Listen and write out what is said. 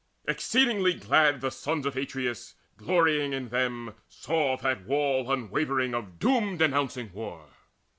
Exceeding glad the sons Of Atreus, glorying in them, saw that wall Unwavering of doom denouncing war.